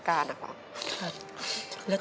ขอบคุณครับ